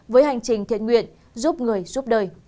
với hành trình thiện nguyện giúp người giúp đời